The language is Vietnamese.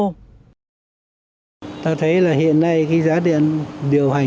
thật thế là hiện nay cái giá điện điều hành